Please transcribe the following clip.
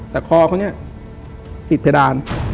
แต่คอเขาติดเพดาน